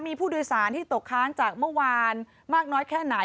มีผู้โดยสารที่ตกค้างจากเมื่อวานมากน้อยแค่ไหน